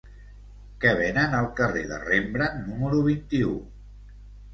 Què venen al carrer de Rembrandt número vint-i-u?